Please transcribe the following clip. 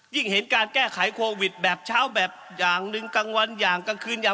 เห็นการแก้ไขโควิดแบบเช้าแบบอย่างหนึ่งกลางวันอย่างกลางคืนอย่าง